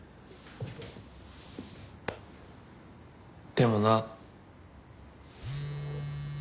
でもな。